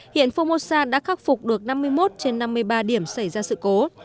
hiện phongmosa đã khắc phục được năm mươi một trên năm mươi ba điểm xảy ra sự cố